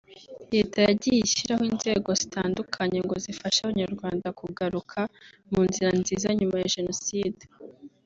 Leta yagiye ishyiraho inzego zitandukanye ngo zifashe Abanyarwanda kugaruka mu nzira nziza nyuma ya Jenoside